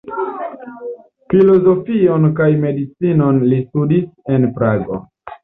Filozofion kaj medicinon li studis en Prago.